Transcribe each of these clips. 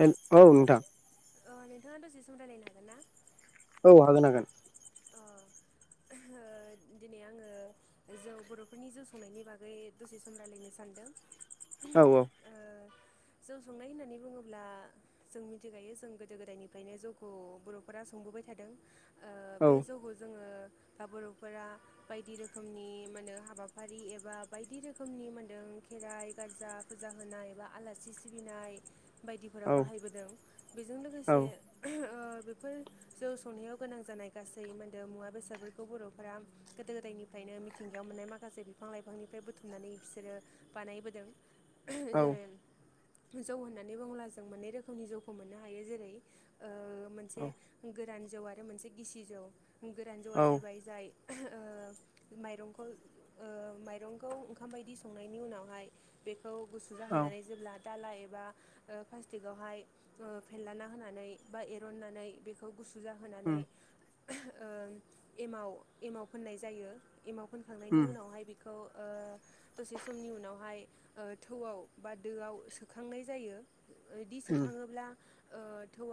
औ नोंथां हेल' अ नोंथाङा दसे सम राय्लायनो हागोन ना? औ हागोन हागोन। अ ओ दिनै आङो जों बर'फोरनि जौ संनायनि बागै दसे सम रायलायनो सानदों‌। औ औ। जौ संनाय होननानै बुङोब्ला जों मिथिखायो जों गो गोदो गोदायनिफ्रायनो जौखौ बर'फोरा संबोबाय थादों औ बे जौखौ जोङो‌ बा बर'फोरा बायदि रोखोमनि मान होने हाबाफारि एबा बायदि रोखोमनि मान होने खेराइ गारजा फुजा होनाय बा आलासि सिबिनाय बायदिफोराव औ बाहायबोदों बेजों लोगोसे बेफोर जौ संनायाव गोनां जानाय गासै गोदो मुवा बेसादफोरखौ बर'फोरा गोदो गोदाय गोदायनिफ्रायनो मिथिंगायाव मोननाय माखासे बिफां लाइफांनिफ्राय बुथुमनानै बिसोरो बानायबोदों औ। जेरै जौ होननानै बुङोब्ला जों मोनै रोखोमनि जौखौ मोननो हायो जेरै मोनसे गोरान जौ आरो मोनसे गिसि जौ गोरान जौआ औ जाहैबाय जाय माइरंखौ माइरंखौ ओंखाम बायदि संनायनि उनावहाय बे खौ गुसु औ जाहैानै जेब्ला दाला एबा प्लास्टिकआवहाय फेनलाना होनानै बा एरननानै बेखौ गुसु जाहोनानै उम एमाव एमाव फोननाय जायो एमाव फोनखांनायनि उम उनावहाय बेखौ। दसे समनि उनावहाय थौआव बा दोआव सोखांनाय जायो। बिदि उम सोखाङोब्ला थौ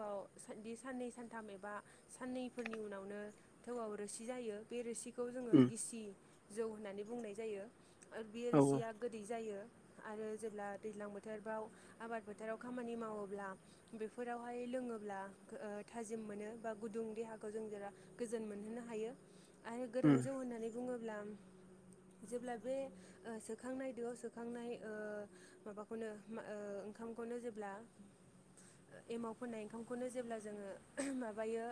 बे साननै सानथाम एबा साननैफोरनि उनावनो थौआव रोसि जायो बे रोसि खौ जोङो उम गिसि जौ होननानै बुंनाय जायो आरो बे औ रोसिया गोदै जायो। आरो जेब्ला दैज्लां बोथोराव आबाद बोथोराव खामानि मावोब्ला बेफोरावहाय लोङोब्ला थाजिम मोनो बा गुदुं देहाखौ जों जेरा गोजोन मोनहोनो हायो। हायो आरो उम गोदान जौ होननानै बुङोब्ला जेब्ला बे सोखांनाय दोआव सोखांनाय माबाखौनो ओंखामखौनो जेब्ला एमावफोरनाय ओंखामखौनो जेब्ला जोङो माबायो।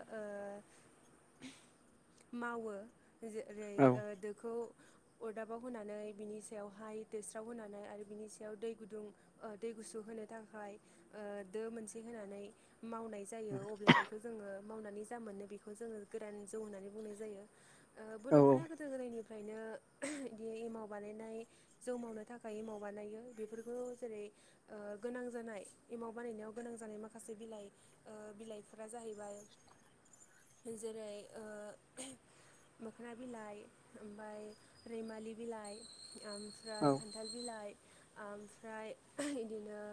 मावो जेरै औ दोखौ। अरदाबाव होनानै बिनि सायावहाय दोस्राव होनानै आरो बिनि सायाव दै गुदुं दै गुसु होनो नि थाखाय दो मोनसे होनानै मावनाय जायो अब्ला बेखौ जोङो। मावनानै जा मोनो बेखौ जोङो गोदान जौ होननानै बुंनाय जायो औ बर'फोरा गोदो-गोदायनिफ्राय ओमफ्रायनो बिदि एमाव बानायनाय जौ मावनो थाखाय एमाव बानायो बेफोरखौ जेरै गोनां जानाय बानायनायाव गोनां जानाय माखासे बिलाइ बिलाइफोरा जाहैबाय जेरै मोखना बिलाइ ओमफ्राय रैमालि बिलाइ ओमफ्राय औ खान्थाल बिलाइ ओमफ्राय बिदिनो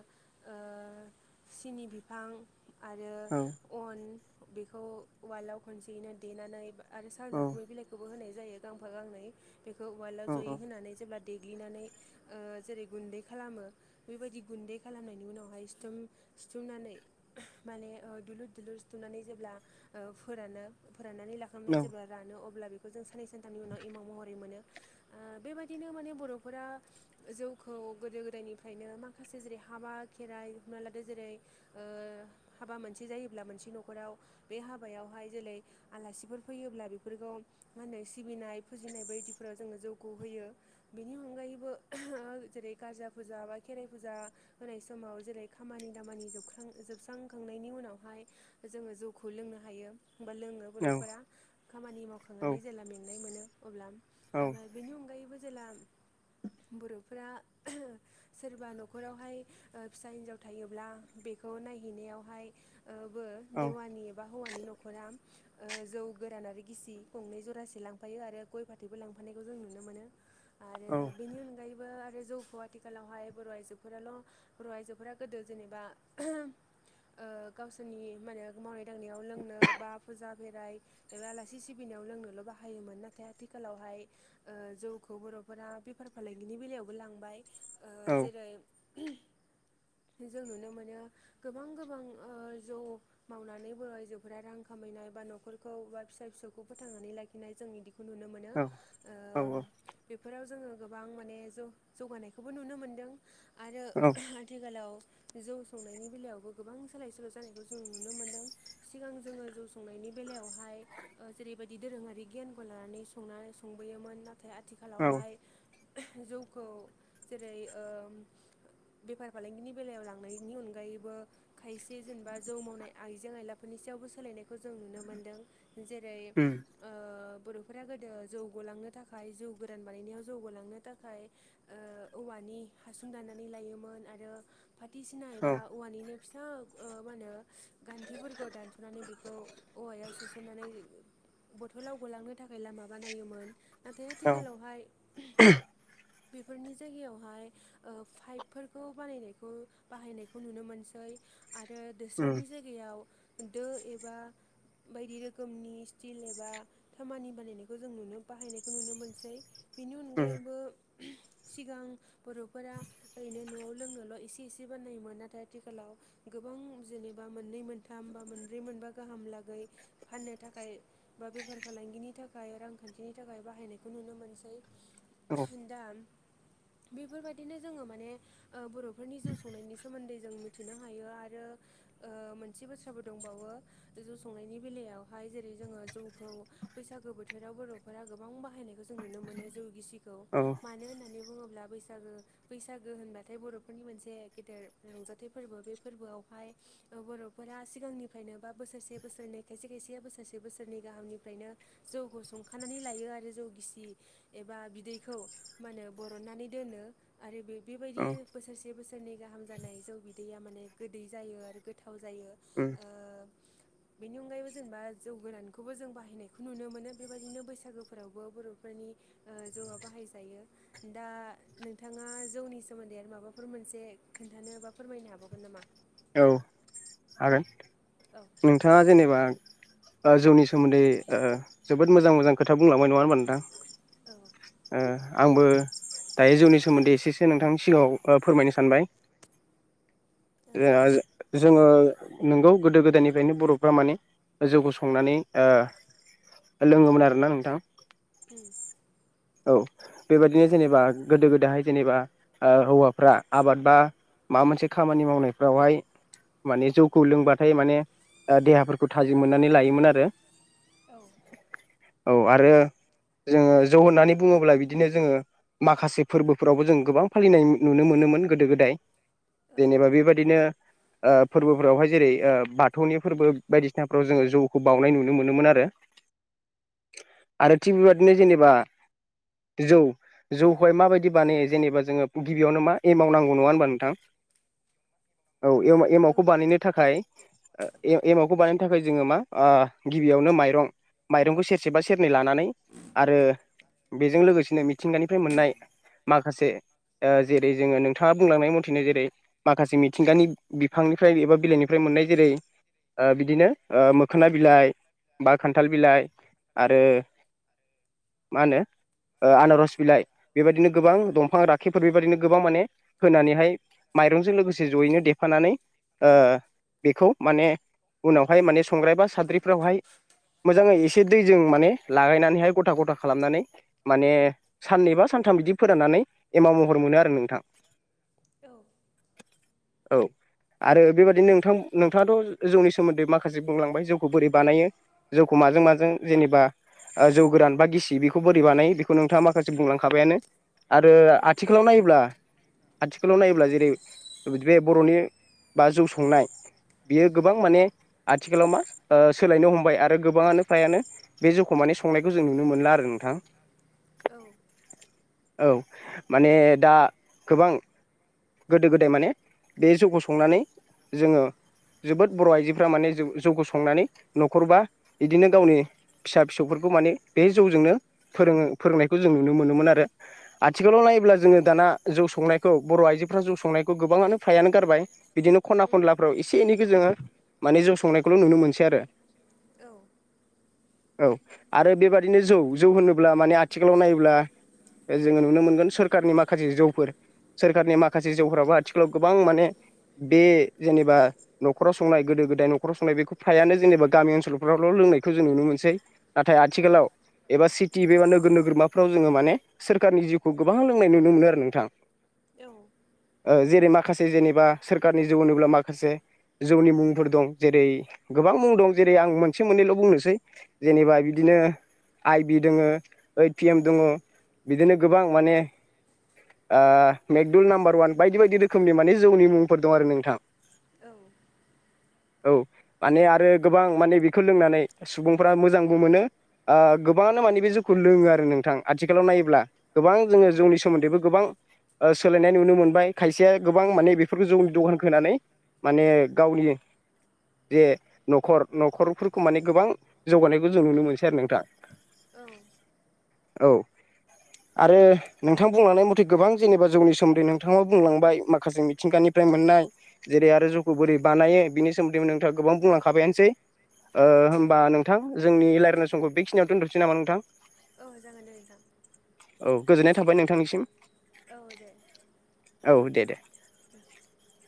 सिनि बिफां आरो औ अन बेखौ उवालाव खनसेयैनो देनानै आरो औ सालदोब गुमै बिलाइखौबो होनाय जायो गांफा गांनै बेखौ उवालाव औ उम औ जयै होनानै जेब्ला। देग्लिनानै जेरै गुन्दै खालामो बेबायदि गुन्दै खालामनायनि उनावहाय सिथम सिथुमनानै माने दुलुर दुलुर सिथुमनानै जेब्ला फोरानो फोराननानै लाखांनाय जेब्ला रानो अ अब्ला बेखौ जों सनै सानथामनि उनाव इमाव महरै मोनो बेबायदिनो माने बर'फोरा जौ। खौ गोदो गोदायनिफ्रायनो माखासे जेरै हाबा खेराइ हमना लादो जेरै हाबा मोनसे जायोब्ला मोनसे न'खराव बे हाबायावहाय जेरै आलासिफोर फैयोब्ला बेफोरखौ मा होनो सिबिनाय फुजिनाय बायदिफोराव जोङो जौगा होयो। बेनि अनगायैबो जेरै गारजा फुजा बा खेराइ फुजा होनाय समाव जेरै खामानि दामानि जोब्रां जोबस्रांखांनायनि उनावहाय जोङो जौखौ लोंनो हायो। होमबा लोङो बर'फोरा खामानि मावखांनानै जेला मेंनाय मोनो। अब्ला ओमफ्राय बेनि अनगायैबो जेला बर'फोरा सोरबा न'खरावहाय ओ फिसा हिनजाव थायोब्ला बेखौ नायहैनायावहाय बो देवानि एबा हौवानि न'खरा। जौ गोरान आरो गिसि गंनै जरासे लांफायो आरो गय फाथैबो लांफानायखौ जों नुनो मोनो। आरो बेनि अनगायैबो आरो जौखौ आथिखालावहाय बर' आइजोफोराल' बर' आइजोफोरा। गोदो जेनेबा ओ गावसोरनि माने माव दांनायाव लोंनो बा फुजा बे आलासि सिबिनाय लोंनोल' बाहायोमोन नाथाय आथिखालावहाय ओ जौखौ बर'। बर'फोरा बेफार फालांगिनि बेलायावबो लांबाय ओ जेरै जों नुनो मोनो गोबां गोबां ओ जौ मावनानैबो आइजोफोरा रां खामायनानै। बा न'खरखौ बा फिसा फिसौखौ फोथांनानै लाखिनाय जोंनि दि औ औ औ बे फोराव जोङो गोबां माने जौ जौगानायखौबो नुनो मोनदों आरो उम आथिखालाव। जौ संनायनि बेलायावबो गोबां सोलाय सोलाय जानायखौ जों नुनो मोनदों सिगां जोङो जौ संनायनि। नि बेयावहाय ओ जेरैबायदि दोरोङारि गियानखौ लानानै स संबोयोमोन ना नाथाय आथिखालावहाय औ जौखौ जेरै ओ बेफार फालांगिनि बेलायाव लांनायनि अन अगायैबो खायसे जेनेबा जौ मावनाय आइजें आइलाफोरनि सायावबो सोलायनायखौ जों नुनो मोनदों। जेरै ओ बर'फोरा गोदो जौ ग'लांनो थाखाय जौ गोरान बानायनायाव जौ ग'लांनो थाखाय औवानि। नि हासुं दाननानै लायोमोन फाथो सिना एबा औवानिनो। फिसा मा होनो गानथिफोरखौ दानस'नानै बेखौ औवायाव सोसननानै। बथलाव गोलांनो थाखाय लामा बानायोमोन नाथाय आथिखालावहाय। बेफोरनि जायगायावहाय ओ पाइपफोरखौ बानायनायखौ बाहायनायखौ नुनो मोनसै आरो दोस्रावनि जायगायाव दो एबा। बायदि रोखोमनि स्टिल एबा खामानि बानायनायखौ जों नुनो बाहायनायखौ नुनो मोनसै। बेनि अनगायैबो सिगां बर'फोरा ओरैनो न'आव लोंनोल' एसे एसे। सि बानायोमोन नाथाय आथिखालाव गोबां जेनेबा मोननै मोनथाम बा मोनब्रै मोनबा गाहाम लागै फाननो थाखाय बा बेफार फालांगिनि थाखाय रांखानथिनि थाखाय बाहायनायखौ नुनो मोनसै दा बेफोरबायदिनो जोङो माने ओ बर'फोरनि जौ संनाय सोमोनदै जों मिथिनो हायो आरो ओ मोनसे बाथ्राबो दंबावो जौ संनायनि बेला यावहाय जेरै जोङो जौखौ बैसागो बोथोराव बर'फोरा गोबां बाहायनायखौ जों नुनो मोनो जौ गिसि खौ औ मानो होननानै बुङोब्ला बैसागो बैसागो होनबाथाय बर'फोरनि मोनसे गेदेर रंजाथाइ फोरबो बे फोरबोयावहाय ओ बर'फोरा सिगांनिफ्रायनो बा बोसोरसे बोसोरनै खायसे खायसेया बोसोरसे बोसोरनै गाहामनिफ्रायनो जौखौ संखानानै लायो आरो जौ गिसि एबा बिदैखौ मा होनो बरननानै दोनो आरो बे बेबायदि बोसोरसे बोसोरनि गाहाम जानाय जौ बिदैया माने गोदै जायो आरो गोथाव गोथाव जायो ओ बेनि अनगायैबो जेनेबा जौ गोरानखौबो जों बाहायनायखौ नुनो मोनो बेबायदिनो बैसागोफोरावबो बर'फोरनि ओ जौआ बाहायजायो दा नोंथाङा जौनि सोमोनदै माबाफोर मोनसे एसे खोनथानो बा फोरमायनो हाबावगोन नामा? औ हागोन औ नोंथाङा जेनेबा ओ जौनि सोमोनदै ओ जोबोद मोजां मोजां खोथा बुंलांबाय नङा होनोमबा नोंथां औ ओ आंबो दायो जौनि सोमोनदै एसेसो नोंथांनि सिगाङाव ओ फोरमायनो सानबाय [inaudible] जोंहा जोङो नंगौ गोदो गोदायनिफ्रायनो बर'फ्रा माने जौखौ संनानै ओ लोङोमोन आरोना नोंथां ओम औ बेबायदिनो जेनेबा गोदो गोदायहाय जेनेबा हौवाफ्रा आबाद बा माबा मोनसे खामानि मावनायफ्रावहाय माने जौखौ लोंबाथाय माने ओ देहाफोरखौ थाजिम मोननानै लायोमोन आरो औ औ आरो जोङो जौ होननानै बुङोब्ला बिदिनो जोङो माखासे फोरबोफोरावबो जों गोबां फालिनाय नुनो मोनोमोन गोदो गोदाय औ जेनेबा बेबायदिनो ओ फोरबोफोरावहाय जेरै ओ बाथौनि फोरबो बायदिसिनाफ्राव जोङो जौखौ बावनाय नुनो मोनोमोन आरो [unintelligible] आरो थिग बेबादिनो जेनेबा [unintelligible] जौ जौखौहाय माबायदि बानायो जेनेबा जोङो गिबियावनो मा एमाउ नांगौ नङा होनबा नोंथां [unintelligible] औ एमाव- एमावखौ औ बानायनो थाखाय एमावखौ बानायनो थाखाय जोङो मा ओ गिबियावनो माइरं माइरंखौ सेरसेबा सेरनै लानानै आरो बेजों लोगोसेनो मिथिंगानिफ्राय मोननाय माखासे ओ जेरै जोङो नोंथाङा बुंलांनाय मथेनो जेरै माखासे मिथिंगानि बिफांनिफ्राय एबा बिलाइनिफ्राय मोननाय जेरै ओ बिदिनो ओ मोखोना बिलाइ बा खान्थाल बिलाइ आरो आरो मा होनो ओ आनारस बिलाइ बेबायदिनो गोबां दंफां राखेबफोर बेबायदिनो गोबां माने होनानैहाय माइरंजों लोगोसे जयैनो दे- फानानै ओ बेखौ माने उनावहाय माने संग्राय बा साद्रिफ्रावहाय मोजाङै एसे दैजों माने लागायनानैहाय ग'था ग'था खालामनानै माने साननैबा सानथाम बिदि फोराननानै एमाव महर मोनो आरो नोंथां [unintelligible] औ आरो बेबायदिनो नोंथां। नोंथाङाथ' जौनि सोमोन्दै माखासे बुंलांबाय जौखौ बोरै बानायो जौखौ मा जों माजों जेनेबा ओ जौ गोरान बा गिस इ बेखौ बोरै बानायो बेखौ नोंथाङा माखासे बुंलांखाबायानो आरो आथिखालाव नायोब्ला आथिखालाव नायोब्ला जेरै बे बर'नि बा जौ संनाय बियो गोबां माने आथिखालाव मा ओ सोलायनो हमबाय आरो गोबाङानो फ्रायानो बे जौखौ माने संनायखौ जों नुनो मोनला आरो। नोंथां औ। औ माने दा गोबां गोदो गोदाय माने बे जौखौ संनानै जोङो जोबोद बर' आइजोफ्रा माने जौ जौखौ संनानै न'खरबा इदिनो गावनि फिसा फिसौफोर खौ माने बे जौजोंनो फोरोङो फोरोंनायखौ जों नुनो मोनोमोन आरो। आथिखालाव नायोब्ला जोङो दाना जौ संनायखौ बर' आइजोफ्रा जौ संनायखौ गोबाङानो फ्रायानो गारबाय। बिदिनो खना उम खनलाफ्राव एसे एनैखो जोङो माने जौ संनायखौल' नुनो मोनसै आरो। औ। औ आरो बेबादिनो जौ जौ होनोब्ला माने आथिखालाव नायोब्ला ओ जोङो नुनो मोनगोन सोरखारनि माखासे जौफोर सोरखारनि माखासे जौफोराबो आथिखालाव गोबां माने बे जेनेबा न'खराव संनाय गोदो गोदाय न'खराव संनाय बेखौ फायानो जेनेबा गामि ओनसोलफ्रावल' लो लोंनायखौ जों नुनो मोनसै नाथाय औ आथिखालाव एबा सिटि बेबा नोगोर नोगोरमाफ्राव जोङो माने सोरखारनि जिउखौ गोबां लोंनाय नुनो मोनो आरो नोंथां। औ ओ जेरै माखासे जेनेबा सोरखारनि जौ होनोब्ला माखासे जौनि मुंफोर दं। जेरै गो गोबां मुं दं जेरै आं मोनसे मोननैल बुंनोसै जेनेबा बिदिनो आइ बि दोङ ओइद पि एम दङ। बिदिनो गोबां माने ओ मेकदुल नाम्बार वान बायदि बायदि रोखोमनि माने जौनि मुंफोर दं आरो नोंथां। औ। औ माने आरो गोबां माने बेखौ लोंनानै सुबुंफ्रा मोजांबो मोनो। आ गोबाङानो माने बे जौखौ लोङो आरो नोंथां। आथिखालाव नायोब्ला गोबां औ जोङो जौनि सोमोन्दैबो गोबां ओ सोलायनाय नुनो मोनबाय। खायसेया गोबां माने बेफोरखौ जौनि दखानखो होनानै माने गावनि जे न'खर न'खरफोरखौ माने गोबां जौगानायखौ जों नुनो मोनसै आरो नोंथाङा। औ। औ। आरो नोंथां बुंलांनाय मथे गोबां जेनेबा जौनि सोमोन्दै नोंथाङा बुंलांबाय माखासे मिथिंगानि फ्राय मोननाय जेरै आरो जौखौ बोरै बानायो बिनि सोमोन्दैबो नोंथाङा गोबां बुंलांखाबायानोसै। ओ होमबा नोंथां जोंनि लायरायनाय समखौ बेखिनियाव दोनथसै नामा नोंथां? औ जागोन दे नोंथां औ गोजोननाय थाबाय नोंथांनिसिम औ दे। औ दे दे। [inaudible]